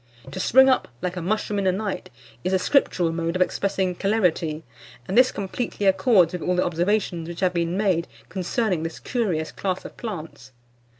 To spring up "like a mushroom in a night" is a scriptural mode of expressing celerity; and this completely accords with all the observations which have been made concerning this curious class of plants.